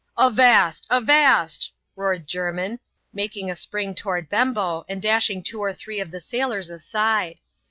" Avast ! avast !" roared Jermin, making a spring toward Bembo, and dashing two or three of the sailors aside.